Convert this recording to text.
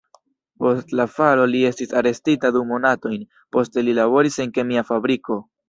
Post la falo li estis arestita du monatojn, poste li laboris en kemia fabriko.